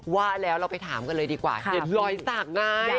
ว่าแล้วเราไปถามกันเลยดีกว่าเห็นรอยสักไง